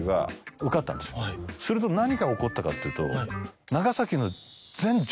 すると何が起こったかっていうと。